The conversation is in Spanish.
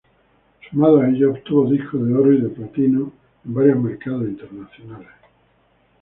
Sumado a ello, obtuvo discos de oro y de platino en varios mercados internacionales.